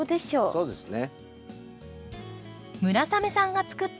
そうですね。